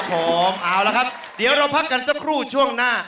ผมเอาละครับเดี๋ยวเราพักกันสักครู่ช่วงหน้า